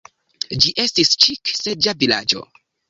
Ĝi estis ĉik-seĝa vilaĝo.